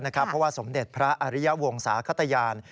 เพราะว่าสมเด็จพระอริยวงศาขตยาน